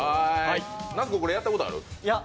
那須君これ、やったことある？